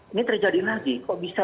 ini terjadi lagi kok bisa